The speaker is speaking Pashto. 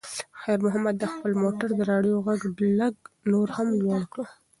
خیر محمد د خپل موټر د راډیو غږ لږ نور هم لوړ کړ.